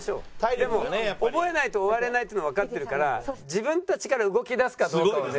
でも覚えないと終われないっていうのわかってるから自分たちから動き出すかどうかをね